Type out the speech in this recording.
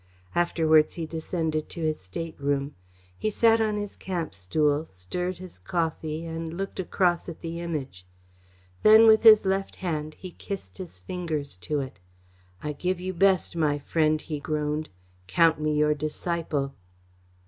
Afterwards he descended to his stateroom. He sat on his camp stool, stirred his coffee, and looked across at the Image. Then, with his left hand, he kissed his fingers to it. "I give you best, my friend," he groaned. "Count me your disciple."